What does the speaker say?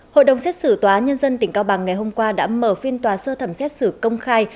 hội đồng xét xử tòa nhân dân tỉnh cao bằng ngày hôm qua đã mở phiên tòa sơ thẩm xét xử công khai